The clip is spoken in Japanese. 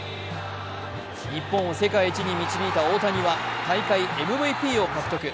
日本を世界一に導いた大谷は大会ＭＶＰを獲得。